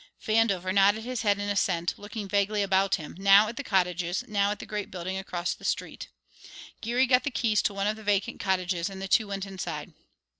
Vandover nodded his head in assent, looking vaguely about him, now at the cottages, now at the great building across the street. Geary got the keys to one of the vacant cottages and the two went inside.